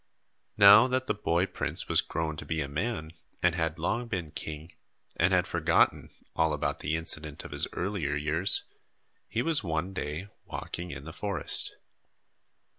Now that the boy prince was grown to be a man and had long been king, and had forgotten all about the incident of his earlier years, he was one day walking in the forest.